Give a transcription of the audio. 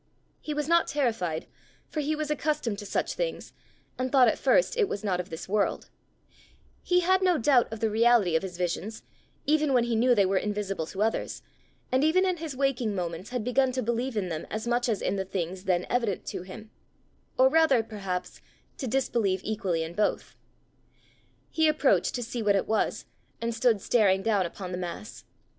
He was not terrified, for he was accustomed to such things, and thought at first it was not of this world: he had no doubt of the reality of his visions, even when he knew they were invisible to others, and even in his waking moments had begun to believe in them as much as in the things then evident to him or rather, perhaps, to disbelieve equally in both. He approached to see what it was, and stood staring down upon the mass.